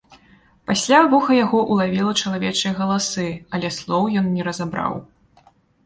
Пасля вуха яго ўлавіла чалавечыя галасы, але слоў ён не разабраў.